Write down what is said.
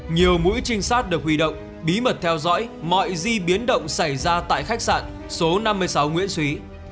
nhiều mũi trinh sát được huy động bí mật theo dõi mọi di biến động xảy ra tại khách sạn số năm mươi sáu nguyễn xúy